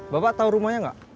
bapak tau rumahnya gak